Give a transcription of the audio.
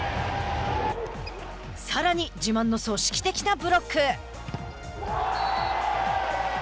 さらに自慢の組織的なブロック。